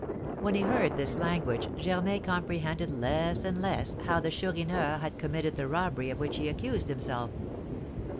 When he heard this language, Germain comprehended less and less how the Chourineur had committed the robbery of which he accused himself.